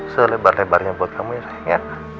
selebar lebarnya buat kamu ya